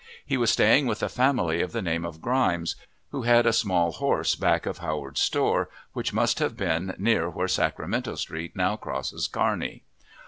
He was staying with a family of the name of Grimes, who had a small horse back of Howard's store, which must have been near where Sacramento Street now crosses Kearney.